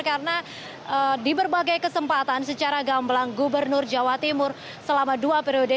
karena di berbagai kesempatan secara gamblang gubernur jawa timur selama dua periode